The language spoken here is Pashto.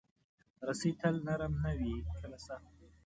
رسۍ تل نرم نه وي، کله سخت وي.